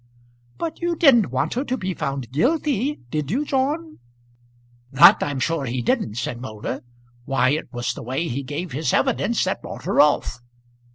"But you didn't want her to be found guilty; did you, John?" "That I'm sure he didn't," said Moulder. "Why it was the way he gave his evidence that brought her off."